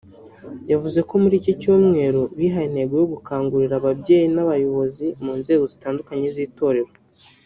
yavuze ko muri iki cyumweru bihaye intego yo gukangurira ababyeyi n’abayobozi mu nzego zitandukanye z’itorero